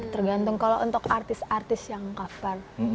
tergantung kalau untuk artis artis yang cover